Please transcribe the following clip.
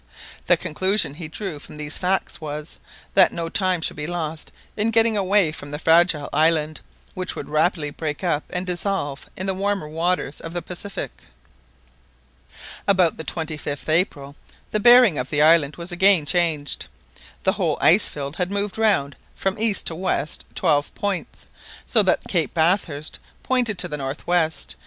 The conclusion he drew from these facts was, that no time should be lost in getting away from the fragile island, which would rapidly break up and dissolve in the warmer waters of the Pacific. About the 25th April the bearing of the island was again changed, the whole ice field had moved round from east to west twelve points, so that Cape Bathurst pointed to the north west.